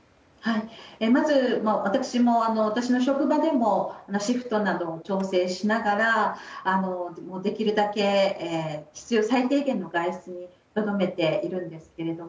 まず、私も私の職場でもシフトなどを調整しながらできるだけ必要最低限の外出にとどめていますが。